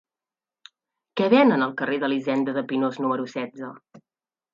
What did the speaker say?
Què venen al carrer d'Elisenda de Pinós número setze?